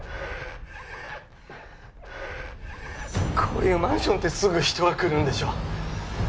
こういうマンションってすぐ人が来るんでしょ？